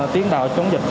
tiến đạo chống dịch